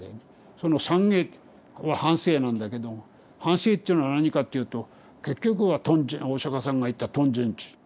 その懺悔は反省なんだけど反省っていうのは何かっていうと結局はお釈さんが言った「貪瞋痴」。